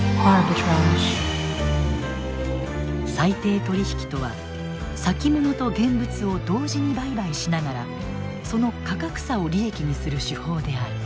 裁定取引とは先物と現物を同時に売買しながらその価格差を利益にする手法である。